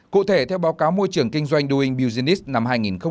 cụ thể theo báo cáo môi trường kinh doanh doing business năm hai nghìn một mươi bảy